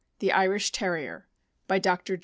THE IRISH TERRIER. BY DR.